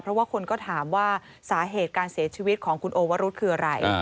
เพราะว่าคนก็ถามว่าสาเหตุการเสียชีวิตของคุณโอวรุธคืออะไร